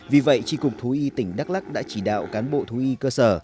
vì vậy tri cục thú y tỉnh đắk lắc đã chỉ đạo cán bộ thú y cơ sở